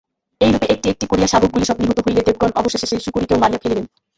এইরূপে একটি একটি করিয়া শাবকগুলি সব নিহত হইলে দেবগণ অবশেষে সেই শূকরীকেও মারিয়া ফেলিলেন।